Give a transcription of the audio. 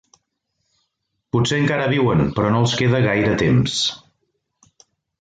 Potser encara viuen, però no els queda gaire temps.